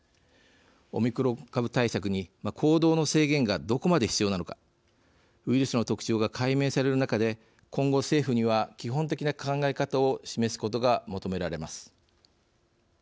オミクロン株対策に行動の制限がどこまで必要なのかウイルスの特徴が解明される中で今後、政府には基本的な考え方を示すことが求められます。